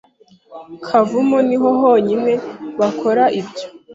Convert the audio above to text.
Kavumu niho honyine bakora ibyo